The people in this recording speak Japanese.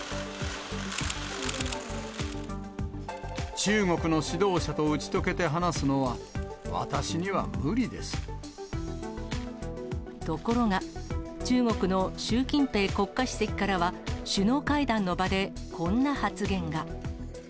中国の指導者と打ち解けて話ところが、中国の習近平国家主席からは、首脳会談の場でこんな発言が。